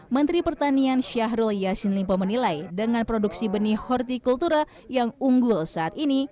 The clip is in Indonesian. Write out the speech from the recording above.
menteri pertanian syahrul yassin limpo menilai dengan produksi benih hortikultura yang unggul saat ini